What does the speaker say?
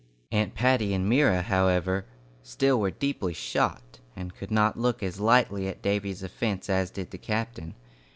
Aunt Patty and Myra, however, still were deeply shocked, and could not look as lightly at Davy's offence as did the captain.